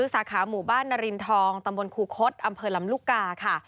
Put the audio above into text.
สาขาหมู่บ้านนารินทองตำบลครูคศอำเภอลำลูกกาค่ะ